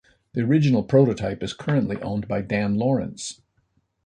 The original prototype is currently owned by Dan Lawrence.